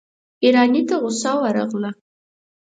ايراني ته غصه ورغله.